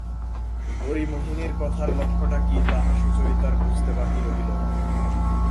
হরিমোহিনীর কথার লক্ষ্যটা কী তাহা সুচরিতার বুঝতে বাকি রহিল না।